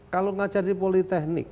kalau ngajar di politeknik